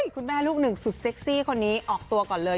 คุณแม่ลูกหนึ่งสุดเซ็กซี่คนนี้ออกตัวก่อนเลย